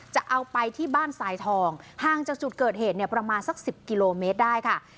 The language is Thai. จะเอาไปที่บ้านทรายทองห่างจากจุดเกิดเหตุเนี่ยประมาณสัก๑๐กิโลเมตรได้ค่ะ